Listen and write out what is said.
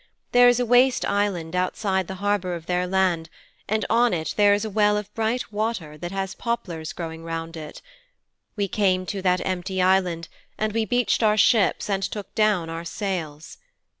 There is a waste island outside the harbour of their land, and on it there is a well of bright water that has poplars growing round it. We came to that empty island, and we beached our ships and took down our sails.'